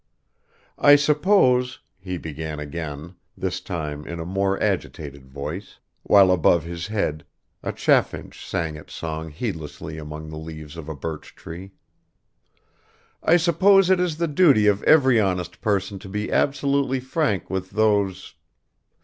"I suppose," he began again, this time in a more agitated voice, while above his head a chaffinch sang its song heedlessly among the leaves of a birch tree, "I suppose it is the duty of every honest person to be absolutely frank with those